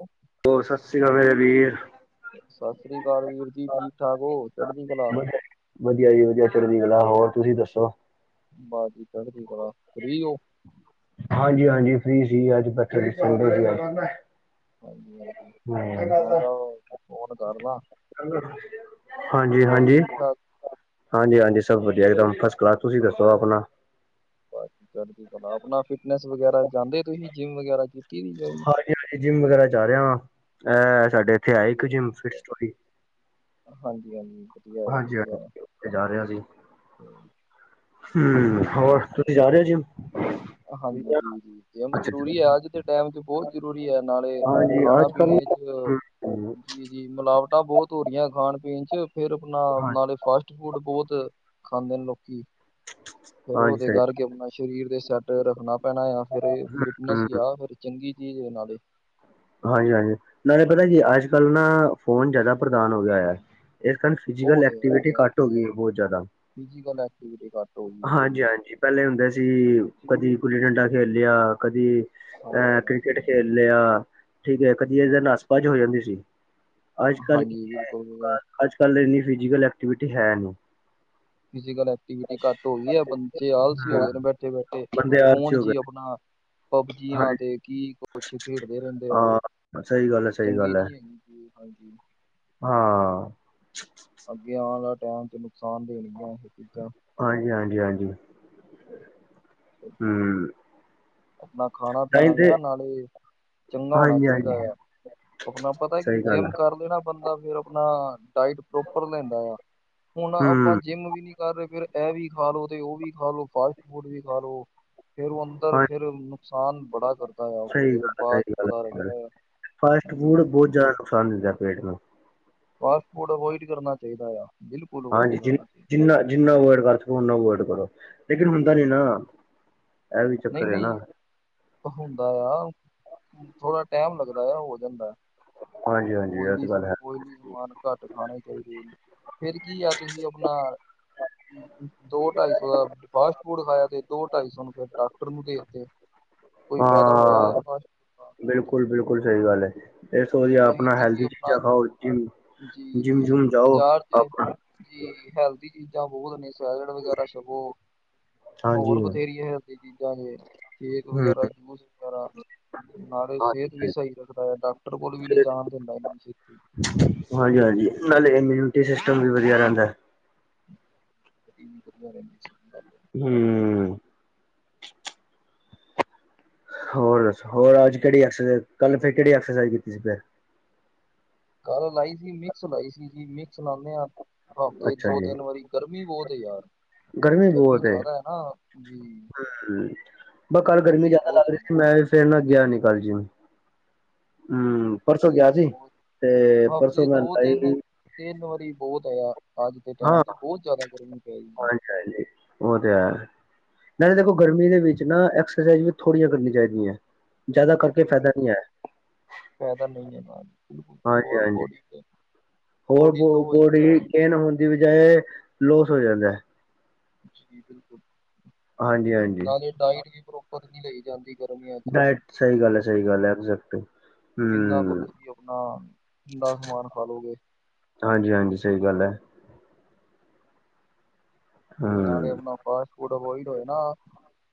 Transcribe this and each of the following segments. ਓ- [inaudible] ਹੋਰ ਸਤਿ ਸ੍ਰੀ ਅਕਾਲ ਮੇਰੇ ਵੀਰ। ਸਤਿ ਸ੍ਰੀ ਅਕਾਲ ਵੀਰ ਜੀ, ਠੀਕ ਠਾਕ ਓ, ਚੜਦੀ ਕਲਾ। ਵਧੀਆ ਜੀ ਵਧੀਆ ਚੜ੍ਹਦੀ ਕਲਾ ਹੋਰ ਤੁਸੀਂ ਦੱਸੋ। ਬਸ ਜੀ ਚੜਦੀ ਕਲਾ, ਫ੍ਰੀ ਓ। ਹਾਂਜੀ ਹਾਂਜੀ ਫ੍ਰੀ ਸੀ ਅੱਜ, ਬੈਠੇ ਸੰਡੇ ਸੀ ਅੱਜ। ਹਾਂਜੀ ਹਾਂਜੀ, ਮੈਂ ਕਿਆ ਓ ਫੋਨ ਕਰਦਾ। ਹਾਂਜੀ -ਹਾਂਜੀ। ਠੀਕ ਠਾਕ ਹਾਂਜੀ- ਹਾਂਜੀ ਸਭ ਵਧੀਆ ਇੱਕਦਮ ਫਸ ਕਲਾਸ। ਤੁਸੀਂ ਦੱਸੋ ਆਪਣਾ। ਬਸ ਜੀ ਚੜ੍ਹਦੀ ਕਲਾ। ਆਪਣਾ ਫਿਟਨੈਸ ਵਗੈਰਾ ਜਾਂਦੇ ਤੁਸੀਂ ਜਿੰਮ ਵਗੈਰਾ ਕੀਤੀ ਜੋਆਇਨ। ਹਾਂਜੀ ਹਾਂਜੀ ਜਿੰਮ ਵਗੈਰਾ ਜਾ ਰਿਆ ਆਂ, ਐ ਸਾਡੇ ਏਥੇ ਐ ਵਧੀਆ ਇੱਕ ਜਿੰਮ ਫਿਟ ਸਟੋਰੀ। ਹਾਂਜੀ ਹਾਂਜੀ ਵਧੀਆ ਆ ਹਾਂਜੀ ਵਧੀਆ ਆ ਹਾਂਜੀ ਓਥੇ ਜਾ ਰਿਆ ਸੀ। [inaudible] ਹੂੰ, ਠੀਕ ਆ ਹੋਰ ਤੁਸੀਂ ਠੀਕ ਆ ਜਾ ਰੇ ਓ ਜਿਮ। ਹਾਂਜੀ ਜੀ ਜੀ ਜਿਮ ਜ਼ਰੂਰੀ ਐ, ਅੱਜ ਦੇ ਟਾਈਮ ਚ ਬੋਤ ਜ਼ਰੂਰੀ ਐ ਨਾਲੇ- ਹਾਂਜੀ ਖਾਣਾ ਅੱਜ ਕੱਲ ਪੀਣੇ 'ਚ ਜੀ ਜੀ ਮਿਲਾਵਟਾਂ ਬਹੁਤ ਹੋ ਰਹੀਆਂ ਖਾਣ ਪੀਣ ਚ, ਫਿਰ ਆਪਣਾ ਹਾਂਜੀ ਨਾਲੇ ਫਾਸਟ ਫੂਡ ਬਹੁਤ। ਖਾਂਦੇ ਨੇ ਲੋਕੀ, ਫਿਰ ਹਾਂਜੀ ਉਹਦੇ ਸਹੀ ਕਰਕੇ ਆਪਣਾ ਸਰੀਰ ਦੇ ਸੈਟ। ਰੱਖਣਾ ਪੈਣਾ ਆ ਫਿਰ ਫਿਟਨੈਸ ਹੂੰ। ਹੀ ਆ ਫਿਰ ਚੰਗੀ ਚੀਜ਼ ਨਾਲੇ। ਹਾਂਜੀ ਹਾਂਜੀ ਨਾਲੇ ਪਤਾ ਜੀ ਅੱਜ ਕੱਲ ਨਾ ਫ਼ੋਨ ਜ਼ਿਆਦਾ ਪ੍ਰਧਾਨ ਹੋ ਗਿਆ। ਇਸ ਕਾਰਨ ਫਿਜ਼ਕਲ ਐਕਟੀਵਿਟੀ ਘੱਟ ਹੋ ਗਈ ਬਹੁਤ ਜ਼ਿਆਦਾ। ਫਿਜ਼ਕਲ ਐਕਟੀਵਿਟੀ ਘੱਟ ਹੋ ਗਈ ਸੀ। ਹਾਂਜੀ-ਹਾਂਜੀ ਪਹਿਲੇ ਹੁੰਦੇ ਸੀ ਕਦੀ ਗੁੱਲੀ ਡੰਡਾ ਖੇਲ ਲਿਆ, ਕਦੀ ਅਹ ਹਾਂਜੀ ਕ੍ਰਿਕਟ ਹਾਂਜੀ ਖੇਲ। ਲਿਆ, ਠੀਕ ਹੈ ਕਦੀ ਐਦੇ ਨੈਸ ਭਜ ਹੋ ਜਾਂਦੀ ਸੀ। ਅੱਜ ਕੱਲ੍ਹ ਕੀ ਹਾਂਜੀ ਹੈ, ਬਿਲਕੁਲ ਅੱਜ ਕੱਲ ਇੰਨੀ ਫਿਜੀਕਲ ਐਕਟੀਵਿਟੀ ਹੈ ਨੀ। ਫਿਜ਼ਕਲ ਐਕਟੀਵਿਟੀ ਘੱਟ ਹੋ ਗਈ ਐ, ਬੱਚੇ ਆਲਸੀ ਹੋ ਗਏ ਨੇ ਬੈਠੇ ਬੈਠੇ। ਬੰਦੇ ਆਲਸੀ ਫੋਨ ਹੋ ਚ ਈ ਗਏ ਆਪਣਾ ਪਬਜੀਆਂ ਹਾਂਜੀ ਤੇ ਕੀ ਕੁਛ ਖੇਡਦੇ ਰਹਿੰਦੇ ਆ। ਹਾਂ ਸਹੀ ਗੱਲ ਹੈ ਸਹੀ ਚੰਗੀ ਗੱਲ ਹੈ ਨੀ ਹੈਗੀ ਜੇ ਹਾਂਜੀ। ਹਾਂ। ਅੱਗੇ ਆਣ ਵਾਲਾ ਟਾਈਮ ਚ ਨੁਕਸਾਨ ਦੇਣਗੀਆਂ ਇਹ ਚੀਜ਼ਾਂ। ਹਾਂਜੀ ਹਾਂਜੀ ਹਾਂਜੀ। ਹਂ। ਆਪਣਾ ਖਾਣਾ-ਪੀਣਾ ਵੀ ਨਾ ਨਾਲੇ ਚੰਗਾ ਹੋਣਾ ਹਾਂਜੀ-ਹਾਂਜੀ ਚਾਈਦਾ ਆ। ਆਪਣਾ ਪਤਾ ਕੀ ਸਹੀ ਗੱਲ ਆ ਜਿੰਮ ਕਰ ਲੈਣਾ ਬੰਦ ਫਿਰ ਆਪਣਾ ਡਾਇਟ ਪ੍ਰੋਪਰ ਲੈਂਦਾ ਆ ਹੁਣ ਆਪਾਂ ਹੂੰ ਜਿੰਮ ਵੀ ਨੀ ਕਰ ਰਹੇ ਫੇਰ ਇਹ ਵੀ ਖਾਲੋ ਤੇ ਉਹ ਵੀ ਖਾਲੋ ਫਾਸਟ ਫੂਡ ਵੀ ਖਾਲੋ ਫੇਰ ਉਹ ਅੰਦਰ ਹਾਂ ਫੇਰ ਨੁਕਸਾਨ ਬੜਾ ਕਰਦਾ ਆ ਉਹ ਸਹੀ ਫਿਰ ਗੱਲ ਹੈ, ਬਾਅਦ ਸਹੀ ਗੱਲ ਹੈ, ਪਤਾ ਸਹੀ ਗੱਲ ਲੱਗਦਾ ਆ। ਜੀ। ਸਦ ਦਿੰਦਾ ਪੇਟ ਨੂੰ। ਫਾਸਟ ਫੂਡ ਅਵੋਇਡ ਕਰਨਾ ਚਾਈਦਾ ਆ। ਬਿਲਕੁਲ ਅਵੋਇਡ ਹਾਂਜੀ, ਜੀ ਕਰਨਾ ਚਾਹੀਦਾ ਜਿੰਨਾ, ਜਿੰਨਾ ਅਵੋਇਡ ਕਰ ਸਕੋ, ਓਨਾਂ ਅਵੋਇਡ ਕਰੋ ਲੇਕਿਨ ਹੁੰਦਾ ਨੀ ਨਾ। ਇਹ ਵੀ ਨਈਂ ਚੱਕਰ ਹੈ ਨਾ, ਨਈਂ, ਹੁੰਦਾ ਆ ਥੋੜਾ ਟਾਈਮ ਲੱਗਦਾ ਆ ਹੋ ਜਾਂਦਾ। ਹਾਂਜੀ ਹਾਂਜੀ ਇਹ ਤੇ ਓਇਲੀ ਗੱਲ ਹੈ। ਓਇਲੀ ਸਮਾਨ ਘੱਟ ਖਾਣੇ ਚਾਹੀਦੇ ਨੇ। ਫਿਰ ਕੀ ਆ ਤੁਸੀਂ ਆਪਣਾ ਦੋ ਢਾਈ ਸੌ ਦਾ ਫਾਸਟ ਫੂਡ ਖਾਇਆ ਤੇ ਦੋ ਢਾਈ ਸੌ ਨੂੰ ਫਿਰ ਡਾਕਟਰ ਨੂੰ ਦੇਤੇ। ਹਾਂ, ਬਿਲਕੁਲ ਬਿਲਕੁਲ, ਸਹੀ ਗੱਲ ਐ। ਇਸ ਤੋਂ ਵਧੀਆ ਉਹੀ ਆਪਣਾ ਤੁਸੀਂ ਹੈਲਦੀ ਆਪਣਾ ਚੀਜ਼ਾਂ ਖਾਓ, ਜਿਮ ਜੀ ਜੀ ਜਿੰਮ-ਜੁੰਮ ਜਾਓ ਬਾਜ਼ਾਰ ਚ ਆਪਣਾ। ਜੀ ਹੈਲਦੀ ਚੀਜ਼ਾਂ ਬਹੁਤ ਨੇ ਸੈਲਡ ਵਗੈਰਾ ਛਪੋ ਹਾਂਜੀ ਹੋਰ ਹੂੰ ਬਥੇਰੀਆਂ ਹੇ। ਚੀਜ਼ਾਂ ਜੇ ਕੇਕ ਵਗੈਰਾ, ਜੂਸ ਵਗੈਰਾ ਨਾਲੇ ਸਿਹਤ ਵੀ ਹਾਂਜੀ ਸਹੀ ਰੱਖਦਾ ਏਦਾਂ ਕੋਲ ਵੀ ਨੀ ਜਾਣ ਦਿੰਦਾ ਇੰਨੀ ਛੇਤੀ ਹਾਂਜੀ ਹਾਂਜੀ, ਨਾਲੇ ਇਮਿਊਨਿਟੀ ਸਿਸਟਮ ਵੀ ਵਧੀਆ ਰੈਂਦਾ। ਵਟੀਮ ਗੁਰੂਆ ਰਣਜੀਤ ਸਿੰਘ ਬਾਬਾ। ਹਂ। ਹੋਰ ਦੱਸੋ, ਹੋਰ ਅੱਜ ਕੇੜੀ ਐਕਸਾਈਜ਼ ਕੱਲ ਫੇਰ ਕਿਹੜੀ ਐਕਸਰਸਾਈਜ਼ ਕੀਤੀ ਸੀ ਫਿਰ। ਗੱਲ ਲਾਈ ਸੀ, ਮਿਕਸ ਲਾਈ ਸੀ ਜੀ ਮਿਕਸ ਲਾਣੇ ਆਂ ਹਫ਼ਤੇ ਅੱਛਾ ਜੀ। ਦੋ-ਤਿੰਨ ਵਾਰੀ। ਗਰਮੀ ਬੋਤ ਐ ਯਾਰ। ਗਰਮੀ ਬੋਤ ਐ। ਜ਼ਿਆਦਾ ਹੈ ਨਾ ਜੀ ਮੈਂ ਕੱਲ ਗਰਮੀ ਜ਼ਿਆਦਾ ਲੱਗ ਰਹੀ ਸੀ, ਮੈਂ ਫਿਰ ਨਾ ਗਿਆ ਨੀ ਕੱਲ ਜੀਂਮ ਸੀ ਹਂ, ਪਰਸੋਂ ਗਿਆ ਸੀ ਬਹੁਤ ਤੇ ਹਫ਼ਤੇ ਪਰਸੋਂ ਮੈਂ ਦੋ ਤਿੰਨ [unintelligible] ਤਿੰਨ ਵਾਰੀ ਬਹੁਤ ਆਇਆ, ਅੱਜ ਦੇ ਟਾਈਮ ਚ ਬੋਤ ਜਿਆਦਾ ਗਰਮੀ ਪੈ ਗਈ। ਹੈਂਜੀ, ਉਹ ਤੇ ਐ। ਨਾਲੇ ਦੇਖੋ ਗਰਮੀ ਦੇ ਵਿੱਚ ਨਾ ਐਕਸਰਸਾਈਜ਼ ਵੀ ਥੋੜ੍ਹੀਆਂ ਕਰਨੀਆਂ ਚਾਈਦੀ ਐਂ। ਜ਼ਿਆਦਾ ਕਰਕੇ ਬਿਲਕੁਲ ਫ਼ਇਦਾ ਬਿਲਕੁਲ ਨ੍ਹੀਂ ਏ। ਫਾਇਦਾ ਨਈ ਐ ਨਾਲ ਬਿਲਕੁਲ, ਹਾਂਜੀ ਹੋਰ ਹਾਂਜੀ ਬੋ [unintelligible] ਹੋਰ ਬੋ ਬੋਡੀ ਗੇਨ ਹੋਣ ਦੀ ਬਜਾਏ ਲੋਸ ਹੋ ਜਾਂਦਾ ਐ। ਜੀ ਬਿਲਕੁਲ, ਹਾਂਜੀ ਹਾਂਜੀ ਨਾਲੇ ਡਾਈਟ ਵੀ ਪ੍ਰੋਪਰ ਨ੍ਹੀਂ ਲਈ ਜਾਂਦੀ। ਗਰਮੀਆਂ ਚ ਡਾਇਟ ਸਹੀ ਗੱਲ ਐ, ਸਹੀ ਗੱਲ ਐ, ਐੈਕਜੇਟ ਕਿੰਨਾ ਕੁ ਤੁਸੀਂ ਆਪਣਾ ਠੰਡਾ ਸਮਾਨ ਖਾਲੋਗੇ। ਹਾਂਜੀ ਹਾਂਜੀ ਸਹੀ ਗੱਲ ਐ। ਨਾਲੇ ਹਮ ਆਪਣਾ ਫਾਸਟ ਫੂਡ ਅਵੋਇਡ ਹੋਏ ਨਾ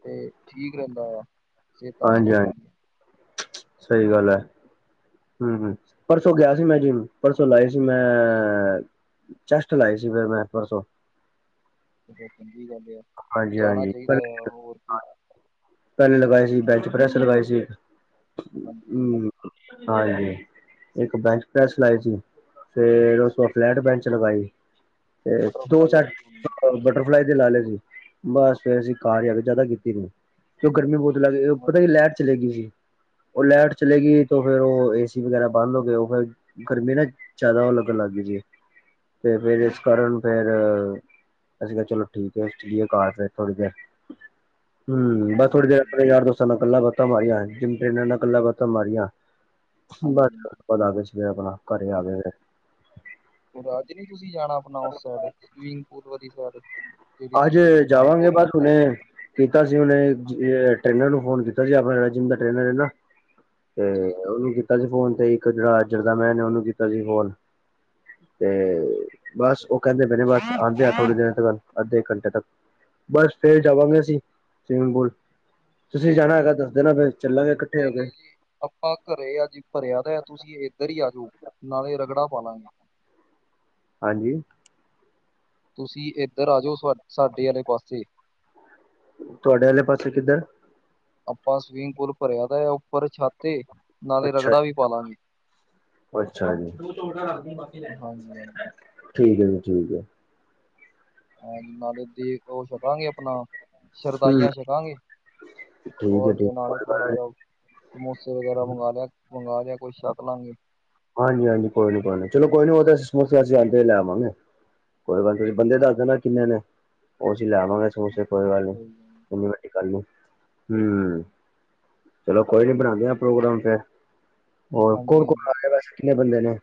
ਤੇ ਠੀਕ ਰੈਂਹਦਾ ਆ। ਸਿਹਤਾਂ ਹਾਂਜੀ ਸਹੀ ਹਾਂਜ, ਰਹਿੰਦੀਆਂ ਸਹੀ ਗੱਲ ਐ। ਹਂ, ਹਂ ਪਰਸੋਂ ਗਿਆ ਸੀ ਮੈਂ ਜਿਮ ਪਰਸੋਂ ਲਾਏ ਸੀ ਮੈਂ ਚੈਸਟ ਲਾਏ ਸੀ, ਫਿਰ ਮੈਂ ਪਰਸੋਂ। ਚਲੋ ਚੰਗੀ ਗੱਲ ਆ, ਜਾਣਾ ਚਾਹੀਦਾ ਆ ਹੋਰ ਕੀ? ਪੈਨ ਲਗਾਏ ਸੀ ਬੈਂਚ ਪ੍ਰੈਸ ਲਗਾਏ ਸੀ ਹਾਂਜੀ ਹਾਂਜੀ ਹਮ। ਹਾਂਜੀ। ਇੱਕ ਬੈਂਚ ਪ੍ਰੈਸ ਲਾਈ ਸੀ, ਫੇਰ ਉਸ ਬਾ ਫਲੈਟ ਬੈਂਚ ਲਗਾਈ। ਤੇ ਦੋ ਬਟਰਫਲਾਈ ਚਾਰ, ਨਾਲ ਹੋਣੀ ਬਟਰਫਲਾਈ ਤੇ ਲਾ ਲਏ ਸੀ। ਬਸ ਫੇਰ, ਅਸੀਂ ਘਰ ਆ ਕੇ ਜ਼ਿਆਦਾ ਕੀਤੀ ਤਨੂੰ। ਕਿ ਗਰਮੀ ਬਹੁਤ ਲੱਗਈ, ਹੈ। ਪਤਾ ਕੀ ਲਾਈਟ ਚਲੇ ਗਈ ਸੀ। ਉਹ ਲਾਈਟ ਚਲੇਗੀਈ, ਤੇ ਫੇਿਰ ਉਹ ਏਸੀ ਵਗੈਰਾ ਬੰਦ ਹੋ ਗ ਉਹ ਫਿਰ ਗਰਮੀ ਨਾ, ਜ਼ਿਆਦਾਗ ਲੱਗ ਗਈ ਜੀ ਤੇ ਫੇਿਰ, ਇਸ ਕਾਰਨ ਫੇਿਰ, ਅਸੀਂ ਕਿਹਾ ਚਲੋ ਠੀਕ ਹੈ। ਘਰ ਫਿਰ ਥੋੜ੍ਹੀ ਦੇਰ, ਹਮ ਬਸ ਥੋੜੀ ਹਾਂਜੀ, ਦੇਰ। ਯਾਰ ਦੋਸਾਂ ਨਾਲ ਇਕੱਲਾ ਬਾਤਾਂ ਮਾਰੀਆਂ, ਜਿੰਮ ਟ੍ਰੇਨਾਂ ਨਾਲ ਇਕੱਲਾ ਬਾਤਾਂ ਮਾਰੀਆਂ ਹਾਂਜੀ, ਬਸ ਹਾਂਜੀ ਵਧ, ਗ ਸੀਗੇ ਆਪਣਾ ਘਰੇ ਆ ਗ ਗ। ਅੱਜ ਨ ਤੁਸੀਂ ਜਾਣਾ, ਆਪਣਾ ਉਸ ਸਾਈਡ ਸਵੀਮਿੰਗ ਪੂਲ ਵਾਲੀ ਸਡ। ਅੱਜ ਜਾਵਾਂਗੇ, ਬਸ ਹੁਨੇ ਕੀਤਾ ਸੀ, ਉਹਨੇ ਹਾਂ ਜੀ, ਟ੍ਰੇਨਰ ਨੂੰ ਫੋਨ ਕੀਤਾ, ਜ ਆਪਣਾ ਜਹੜਾ ਜਿੰਮ ਦਾ ਟ੍ਰੇਨਰ ਹੈ ਨਾ ਤੇ ਜੀ, ਜੀ ਉਹਨੂੰ ਕੀਤਾ ਸੀ, ਫੋਨ ਤੇ ਇੱਕ ਜਿਹੜਾ ਅੱਜਰ ਦਾ ਮੈਂ ਨੇ, ਉਹਨੂੰ ਕੀਤਾ ਸੀ ਫੋਨ ਤੇ ਬਸ ਉਹ ਕਹਿੰਦੇ ਪੈਨੇ, ਬਸ ਆਉਂਦੇ ਆ, ਥੋੜ੍ਹੀ ਦਿਨ ਗੱਲ ਅੱਧੇ ਘੰਟੇ ਤੱਕ ਬਸ ਫੇਰ ਜਾਵਾਂਗੇ, ਅਸੀਂ ਸਵੀਮਿੰਗ ਪੂਲ ਤੁਸੀਂ ਜਾਣਾ, ਹੈਗਾ, ਦੱਸ ਦੇਣਾ ਫਿਰ? ਚੱਲਾਂਗੇ ਇਕੱਠੇ ਨਹੀਂ ਹੋ ਕੇ -ਨਹੀਂ ਜੀ। ਆਪਾਂ ਘਰੇ ਆ ਜੀ, ਭਰਿਆ ਤਾਂ ਤੁਸੀਂ ਇੱਧਰ ਹੀ ਆ ਜਾਓ, ਨਾਲੇ ਰਗੜਾ ਪਾ ਲਾਂਗੇ। ਹਾਂਜੀ। ਤੁਸੀਂ ਇੱਧਰ ਆ ਜਾਓ, ਸਾਡੇ ਆਲੇ ਪਾਸੇ ਤੁਹਾਡੇ ਆਲੇ, ਪਾਸੇ ਕਿੱਧਰ ਆਪਾਂ ਸਵੀਮਿੰਗ ਪੂਲ ਭਰਿਆ, ਤਾਂ ਉੱਪਰ ਛਾਤੇ ਨਾਲੇ ਅੱਛਾ ਰਗੜਾ ਵੀ ਪਾਲਾਂਗੇ। ਅੱਛਾ ਜੀ, ਹਾਂਜੀ, ਹਾਂਜੀ, ਠੀਕ ਹੈ, ਜੀ ਠੀਕ ਹੈ। ਹਾਂਜੀ ਨਾਲੇ ਦੇਗ ਉਹ ਛਕਾਂਗੇ, ਆਪਣਾ ਹੂੰ ਠੀਕ ਸ਼ਰਦਾਈਆਂ ਛਕਾਂਗੇ। ਹੈ ਠੀਕ ਹੋਰਗੇ, ਨਾਲ ਹੀ ਕੋਈ ਗੱਲ ਥੋੜ੍ਹਾ ਨੀ ਜਾ। ਸਮੋਸੇ ਵਗੈਰਾ ਮੰਗਵਾ ਲਿਆ, ਮੰਗ ਲਿਆ ਕੁਈ ਛੱਕ ਲਾਂਗੇ। ਹਾਂਜੀ -ਹਾਂਜੀ ਕੋਈ ਨੀ, ਕੋਈ ਨੀ, ਚਲੋ ਕੋਈ ਨੀ, ਉਹਸੀ ਸਮੋਸੇ ਅਸੀਂ ਜਾਂਦੇ ਲੈਵਾਂਗੇ। ਕੋਈ ਗੱਲ ਨਹੀਂ, ਤੁਸੀਂ ਬੰਦੇ ਦੱਸ ਦੇਣਾ ਕਿੰਨੇ ਨੇ? ਉਹ ਅਸੀਂ ਲੈ ਲਵਾਂਗੇ, ਸਮੋਸੇ ਕੋਈ ਗੱਲ ਨੀ। ਨੀ ਵ, ਕਰ ਨੂੰ ਹੁੰ। ਚਲੋ ਕੋਈ ਨੀ ਬਣਾਦੇ ਆ, ਪ੍ਰੋਗਰਾਮ ਫੇਿਰ ਹੋਰ ਕੌਣ ਹਾਂਜੀ ਹਾਂਜੀ ਕੌਣ ਲ ਵੈਸੇ ਕਿੰਨੇ ਬੰਦੇ ਨੇ?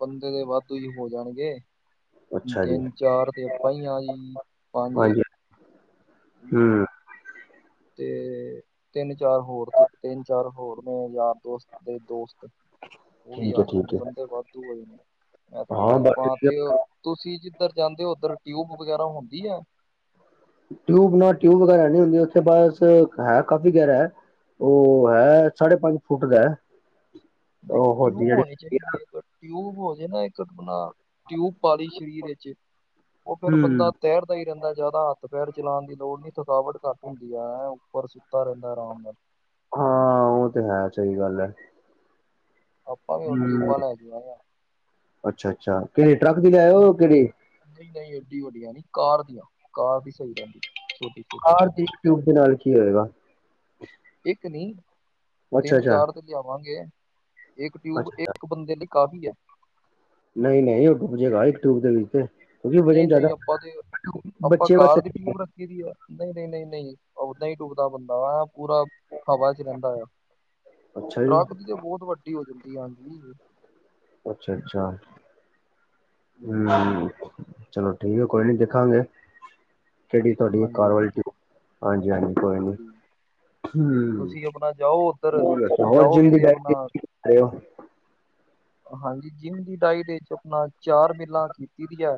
ਬੰਦੇ ਦੇ ਵੱਧੂ ਹੀ ਹੋ ਜਾਣਗੇ। ਅੱਛਾ ਜੀ ਤਿੰਨ ਚਾਰ ਤੇ, ਆਪਾਂ ਹੀ ਆ, ਜੀ ਪੰਜ ਹੁੰ। ਅਮ, ਤੇ ਤਿੰਨ ਚਾਰ ਹੋਰ, ਤਿੰਨ ਚਾਰ ਹੋਰ ਨੇ ਯਾਰ ਦੋਸਤ ਦੇ ਦੋਸਤ। ਉਹ ਵੀ ਠੀਕ ਹੈ ਆ ਠੀਕ ਜਾਣਗੇ, ਹੈ ਬੰਦੇ ਵਾਧੂ ਹੋਏ ਨੇ, ਹਾਂ ਟਿਊ ਬਸ ਪਾ ਠੀਕ ਤੇ ਹੈ ਤੁਸੀਂ ਜਿੱਧਰ ਜਾਂਦੇ ਹੋ, ਓਧਰ ਟਿਊਬ ਵਗੈਰਾ ਹੁੰਦੀ ਹੈ ਟਿਊਬ ਨਾਲ ਟਿਊਬ, ਵਗੈਰਾ ਨਹੀਂ ਹੁੰਦੀ, ਉੱਥੇ ਬਸ ਹੈ ਕਾਫੀ ਗਹਿਰਾ ਹੈ ਉਹ ਹੈ, ਸਾਢੇ ਪੰਜ ਫੁੱਟ ਦਾ। ਪਰ ਉਹ ਹੋਦੀ ਟਿਊਬ ਜਿਹੜੀ ਹੋਣੀ ਹੁੰਦੀ ਚਾਹੀਦੀ ਹੈ। ਟਿਊਬ ਹੋ ਜਾ ਨਾ, ਇੱਕ ਆਪਣਾ ਟਿਊਬ ਪਾ ਲਈ ਸਰੀਰ ਵਿੱਚ ਉਹ ਫੇਿਰ ਬੰਦਾ ਹੂੰ। ਤੈਰਦਾ ਹੀ ਰੈਂਦਾ ਜ਼ਿਆਦਾ ਹੱਥ ਪੈਰ ਚਲਾਣ ਦੀ ਲੋੜ ਨਹੀਂ ਥਕਾਵਟ ਘੱਟ ਹੁੰਦੀ ਹੈ ਉੱਪਰ। ਤਾ ਰੈਂਦਾ ਆਰਾਮ। ਹਾਂ ਉਹ ਤੇ ਹੈ ਸਹੀ ਗੱਲ ਹੈ। ਆਪਾਂ ਵੀ ਹੁਣ ਹੂੰ। ਟਿਊਬਾ ਲੈ ਲੀਆਂ ਆ। ਅੱਛਾ ਅੱਛਾ ਕੇੜੇ ਟਰੱਕ ਦੀ ਲਿਆਇਓ ਕੇੜੀ। ਨਹੀਂ ਨਹੀਂ ਐਡੀ ਵੱਡੀਆਂ ਨਹੀਂ ਕਾਰ ਦੀਆਂ ਕਾਰ ਦੀ ਸਹੀ ਰੈਂਦੀ ਛੋਟੀ। ਛੋਟੀ ਕਾਰ ਰ ਦੀ ਇਕੱਠੇ ਟਿਊਬ ਦੇ ਨਾਲ ਕੀ ਹੋਏਗਾ। ਇੱਕ ਨੀ ਅੱਛਾ ਤਿੰਨ ਅੱਛਾ ਚਾਰ ਤੇ ਲਿਆਵਾਂਗੇ ਇੱਕ ਟਿਊਬ ਅੱਛਾ ਅੱਛਾ ਇੱਕ ਬੰਦੇ ਲ। ਕਾਫ਼ੀ ਹੈ। ਨਹੀਂ ਨਹੀਂ ਓਹ ਡੁੱਬ ਜੇਗਾ ਇਕ ਟਿਊਬ ਦੇ ਵਿੱਚ। ਕਿਉਂਕਿ ਨਹੀਂ ਵਜਨ ਜ਼ਿਆਦਾ ਨਹੀਂ ਆਪਾਂ ਬੱਚੇ ਵਾਸਤੇ ਠੀਕ ਹੈ। ਨਹੀਂ-ਨਹੀਂ। ਨਹੀਂ-ਨਹੀਂ। ਓਦਾਂ ਹੀ ਡੁਬਦਾ ਬੰਦਾ ਵਾ ਪੂਰਾ ਹਵਾ ਚ ਰੈਂਦਾ ਆ। ਅੱਛਾ ਜੀ ਟਰੱਕ ਦੀ ਤੇ ਬੋਤ ਵੱਡੀ ਹੋ ਜਾਂਦੀ ਹਾਂਜੀ ਨ। ਅੱਛਾ ਅੱਛਾ ਹਾਂਜੀ ਹਮ। ਚਲੋ ਠੀਕ ਹੈ। ਕੋਈ ਨ ਦੇਖਾਂਗੇ ਕੇੜੀ ਤਾਡੀ ਹਾਂਜੀ ਕਾਰ ਵਾਲੀ। ਹਾਂਜੀ ਹਾਂਜੀ ਕੋਈ ਨੀ। ਹਾਂਜੀ। ਹਮ। ਤੁਸੀਂ ਆਪਣਾ ਜਾਓ ਉੱਧਰ ਹਰਜਨ ਜਾਓਗੇ ਦੀ ਡ ਆਪਣਾ ਤੇ। [unintelligible] ਹਾਂਜੀ ਜਿੰਮ ਦੀ ਡਾਇਟ ਵਿੱਚ ਆਪਣਾ ਚਾਰ ਮਿੱਲਾਂ ਕੀਤੀ ਦੀ ਹੈ।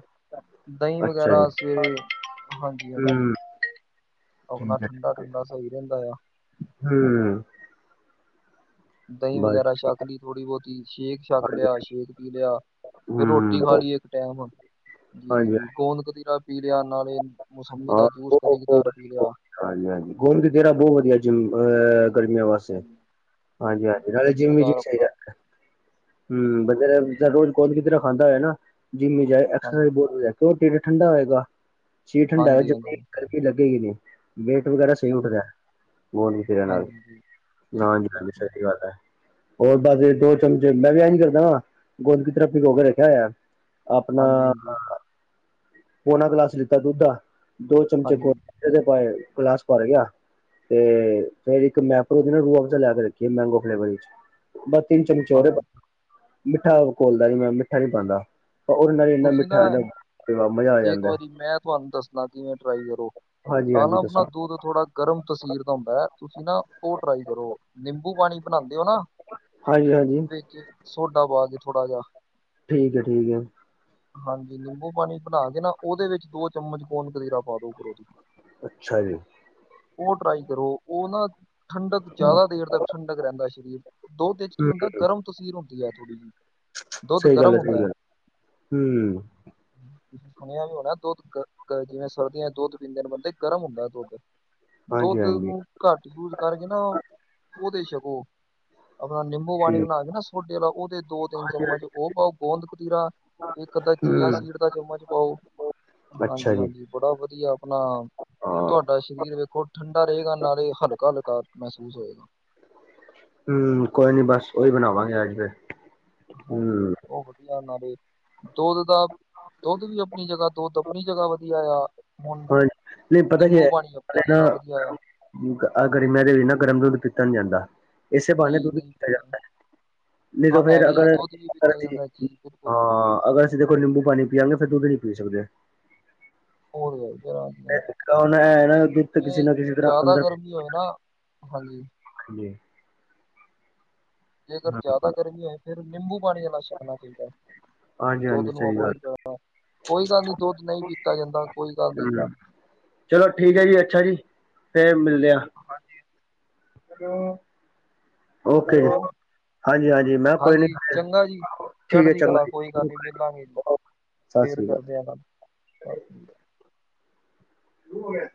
ਦਈ ਅੱਛਾ ਜੀ ਵਗੈਰਾ ਸਵੇਰੇ ਹਾਂਜੀ ਹਾਂਜੀ। ਹੂੰ ਆਪਣਾ ਠੀਕ ਠੰਡਾ ਠੰਡਾ ਸਹੀ ਰੈਂਦਾ ਆ। ਹਮਮਮ। ਦਹੀਂ ਬਸ ਵਗੈਰਾ ਠੀਕ ਹੈ। ਸ਼ਕਲੀ ਥੋੜੀ ਬੋਤੀ ਸ਼ੇਕ। ਛੱਕ ਹਾਂਜੀ ਲਿਆ ਸ਼ੇਕ ਪੀ ਲਿਆ ਫਿਰ ਰੋਟੀ ਖਾ ਹੂੰ ਲਈ ਇੱਕ ਟੈਮ ਹਾਂਜੀ ਜੀ। ਗੋਂਦ ਕਦੀਰਾ ਪੀ ਲਿਆ ਨਾਲੇ ਮੌੋਸੰਮੀ ਹਾਂ ਦਾ ਜੂਸ ਕਦੀ ਬਹੁਤ ਕਦਾਰ ਪੀ ਲਿਆ। ਹਾਂਜੀ ਹਾਂਜੀ ਗੋਂਦ ਕਤੀਰਾ ਬੋਤ ਵਧੀਆ ਜਿ ਅਹ ਗਰਮੀਆਂ ਵਾਸਤੇ। ਹਾਂਜੀ ਹਾਂਜੀ ਨਾਲੇ ਕਦੀ ਜਿਮ ਵਿਚ ਕਦਾਰ ਵੀ ਚਾਈਦਾ ਆਪਣਾ ਹਮ ਠੀਕ ਬਧ ਹੈ। ਰੋ। ਗੋਂਦ ਕਤੀਰਾ ਖਾਂਦਾ ਹੋਏ ਨਾ ਜਿੰਮਚ ਜਾਏ ਐਕਸਰਸਾਇਜ ਹਾਂਜੀ ਬੋਤ ਵਦੀਆ ਕਿਉ ਗੋਂਦ ਕਤੀਰਾ ਠੰਡਾ ਹੋਏਗਾ। ਚੀਜ਼ ਠੰਡਾ ਹੋ ਹਾਂਜੀ ਜ ਹਾਂਜੀ ਗਰਮੀ ਲੱਗੇਗੀ ਨਹੀਂ। ਵੇਟ ਵਗੈਰਾ ਸਹੀ ਜੀ ਉੱਠਦਾ ਗੋਦ ਕਤੀਰਾ ਨਾਲ ਹਾਂਜੀ ਜੀ ਨਾ ਬਿਲਕੁਲ ਬਿਲਕੁਲ ਸਹੀ ਗੱਲ ਹੈ। ਹੋਰ ਬਸ ਦੋ ਚਮਚੇ ਮੈਂ ਵੀ ਐਂ ਜ ਕਰਦਾ ਵਾ ਗੋਦ ਕਤੀਰ੍ਹਾਂ ਭਿ ਗੋ ਕੇ ਰੱਖਿਆ ਹੋਇਆ। ਆਪਣਾ ਹਾਂਜੀ ਹਾਂਜੀ ਹਾ। ਪੌਣਾ ਗਲਾਸ ਲਿੱਤਾ ਦੁੱਧ ਦਾ ਦੋ ਚਮਚੇ ਗੋਦ ਹਾਂਜੀ ਕਤੀਰਾ ਪਾਏ ਗਿਲਾਸ ਭਰ ਗਿਆ। ਤੇ ਫੇਰ ਇੱਕ ਮੈਂ ਆਪਣੇ ਨਾਲ ਰੂਆਜ਼ਾ ਲੈ ਕੇ ਰੱਖੀ ਮੈਂਗੋ ਫਲੇਵਰ ਵਿਚ। ਬਸ ਤਿੰਨ ਚਮਚੇ ਹਾਂ ਮਿੱਠਾ ਕੋੋਲਦਾ ਨੀ ਮੈਂ ਮਿੱਠਾ ਨੀ ਪਾਂਦਾ। ਉਹ ਨਾਲ ਹ ਇੰਨਾ ਤੁਸੀਂ ਨਾ ਮਿੱਠਾ। ਮਜ਼ਾ ਆ ਇੱਕ ਜਾਂਦਾ ਵਾਰੀ ਮੈਂ ਤੁਹਾਨੂੰ ਦੱਸਣਾ ਕਿਵੇਂ ਟਰਾਈ ਕਰੋ ਹਾਂਜੀ ਆ ਹਾਂਜੀ ਦੱਸੋ ਆਪਣਾ ਦੂਧ। ਦੁਦ ਥੋੜਾ ਗਰਮ ਤਸੀਰ ਦਾ ਹੁੰਦਾ ਤੁਸੀਂ ਨਾ ਉਹ ਟਰਾਈ ਕਰੋ ਨਿੰਬੂ ਪਾਣੀ ਬਣਾਦੇ ਹੋ ਨਾ। ਹਾਂਜੀ। ਹਾਂਜੀ। ਵਿੱਚ ਸੋਡਾ ਪਾ ਕੇ ਥੋੜਾ ਜਿਹਾ। ਠੀਕ ਹੈ। ਠੀਕ ਹੈ। ਹਾਂਜੀ ਨਿੰਬੂ ਪਾਣੀ ਬਣਾ ਕੇ ਨਾ ਉਹਦੇ ਵਿੱਚ ਦੋ ਚਮਚ ਗੋਦ ਕਤੀਰਾ ਪਾ ਦੋ ਉਪਰੋਦੀ। ਅੱਛਾ ਜੀ। ਉਹ ਟਰਾਈ ਕਰੋ ਉਹ ਨਾ ਠੰਡਕ ਜ਼ਿਆਦਾ ਦੇਰ ਤੱਕ ਠੰਡਕ ਰੈਂਦਾ ਸਰੀਰ। ਦੋ ਦੇ ਚ ਕੀ ਹੂੰ ਹੁੰਦਾ ਗਰਮ ਤਸੀਰ ਹੁੰਦੀ ਹੈ ਥੋੜ੍ਹੀ ਜਿਹੀ। ਦੁੱਧ ਸਹੀ ਗੱਲ ਗਰਮ ਹੈ ਸਹੀ ਹੁੰਦਾ ਗੱਲ ਹਮ। [unintelligible] ਸੁਣਿਆ ਵੀ ਹੋਣਾ ਦੁੱਧ ਅ ਜਿਵੇਂ ਸਰਦੀਆਂ ਚ ਦੁੱਧ ਪੀਂਦੇ ਨੇ ਬੰਦੇ ਗਰਮ ਹੁੰਦਾ ਦੁੱਧ ਹਾਂਜੀ ਦੁੱਧ ਹਾਂਜੀ ਨੂੰ ਘੱਟ ਯੂਜ ਕਰਕੇ ਨਾ ਉਹਦੇ ਛਕੋ ਆਪਣਾ ਨਿੰਮ। ਨਿੰਬੂ ਵਾਣੀ ਠੀਕ ਬਣਾ ਕੇ ਨਾ ਸੋਡੇ ਵਾਲਾ ਉਹਦੇ ਦੋ ਤਿੰਨ ਚਮਚ ਉਹ ਪਾਓ ਗੋਂਦ ਕਤੀਰਾ ਇੱਕ ਅੱਧਾ ਚੀਆ ਹੂੰ ਸੀਟ ਦਾ ਚਮਚ ਪਾਓ ਅੱਛਾ ਹਾਂਜੀ ਜੀ ਹਾਂਜੀ ਬੜਾ ਵਧੀਆ ਆਪਣਾ ਹਾਂ ਤੁਹਾਡਾ ਸਰੀਰ ਵੇਖੋ ਠੰਡਾ ਰਹੇਗਾ ਨਾਲੇ ਹਲਕਾ ਹਲਕਾ ਮਹਿਸੂਸ ਹੋਏਗਾ ਹਮ ਕੋਈ ਨੀ ਬਸ ਉਹੀ ਬਣਾਵਾਂਗੇ ਅੱਜ ਫਿਰ ਹਾਂਜੀ ਹਾਂਜੀ ਉਹ ਵਧੀਆ ਨਾਲੇ ਦੁੱਧ ਦਾ ਦੁੱਧ ਵੀ ਆਪਣੀ ਜਗ੍ਹਾ ਦੁੱਧ ਆਪਣੀ ਜਗ੍ਹਾ ਵਧੀਆ ਆ ਹੁਣ ਹਾਂ ਨਹੀਂ ਪਤਾ ਕੀ ਨਿੰਬੂ ਹੈ ਪਾਣੀ ਆਪਣੀ ਨਾ ਜਗ੍ਹਾ ਵਧੀਆ ਹੈ ਆਹ ਗਰਮੀਆਂ ਦੇ ਵੀ ਨਾ ਗਰਮ ਦੁੱਧ ਪੀਤਾ ਨੀ ਜਾਂਦਾ ਇਸੇ ਬਹਾਨੇ ਜੀ ਦੁੱਧ ਨਹੀਂ ਜਾ ਪੀਤਾ ਨਹੀਂ ਹਾਂ ਤਾਂ ਇਹ ਫੇਰ ਵੀ ਅਗਰ ਆ ਦੁੱਧ ਵੀ ਪੀਤਾ ਜਾਂਦਾ ਜੀ ਬਿਲਕੁਲ ਹਾਂ ਅਗਰ ਜਦੇ ਕੋਲ ਨਿੰਬੂ ਪਾਣੀਵਾਂ ਫਿਰ ਦੁੱਧੀ ਨਈ ਪੀ ਸਕਦੇ [unintelligible] ਕ ਹੈ ਨਾ ਦੁਧ ਤਾਂ ਕਿਸੇ ਜੇ ਨਾ ਕਿਸੇ ਤਰ੍ਹਾਂ ਜ਼ਿਆਦਾ ਅੰਦਰ ਗਰਮੀ ਹੋਏ ਨਾ ਹਾਂਜੀ ਜੀ ਜੇਕਰ ਜ਼ਿਆਦਾ ਗਰਮੀ ਹੋ ਫੇਰ ਨਿੰਬੂ ਪਾਣੀ ਵਾਲ ਨਾਲ ਛਕਣਾ ਚਾਹੀਦਾ ਹੈ ਮਲਬ ਹਾਂਜੀ ਦੁੱਧ ਹਾਂਜੀ ਨੂੰ ਸਹੀ ਗੱਲ ਅਵੋਇਡ ਕਰਨਾ ਕੋਈ ਗੱਲ ਨੀ ਦੁੱਧ ਨਹੀਂ ਪੀਤਾ ਜਾਂਦਾ ਕੋਈ ਗੱਲ ਨੀ ਚ ਚਲੋ ਠੀਕ ਹੈ ਜੀ ਅੱਛਾ ਜੀ ਫੇਰ ਮਿਲਦੀਆ ਹਾਂਜੀ ਹੈਲੋ [inaudible] ਓਕੇ ਹੈਲੋ ਹਾਂਜੀ ਹਾਂਜੀ ਮੈਂ ਕੋਈ ਨੀ ਹਾਂਜੀ ਚੰਗਾ ਜੀ ਠੀਕ ਹੈ ਚੜ੍ਹਦੀ ਚੰਗਾ ਕਲਾ ਜੀ ਕੋਈ ਗੱਲ ਨੀ ਮਿਲਾਂਗੇ ਜੀ ਓਕੇ ਸਤਿ ਫੇਰ ਸ੍ਰੀ ਕਰਦੇ ਆ ਗਲ ਸਾਨ ਸਤਿ ਸ਼੍ਰੀ ਅਕਾਲ ਦੂਰ ਏ